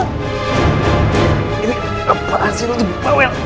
ini apaan sih lu tuh bawel